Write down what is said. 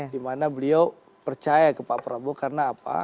dimana beliau percaya ke pak prabowo karena apa